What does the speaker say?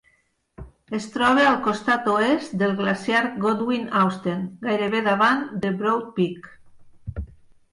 Es troba al costat oest del glaciar Godwin-Austen, gairebé davant de Broad Peak.